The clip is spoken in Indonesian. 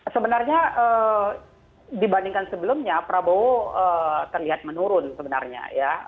sebenarnya dibandingkan sebelumnya prabowo terlihat menurun sebenarnya ya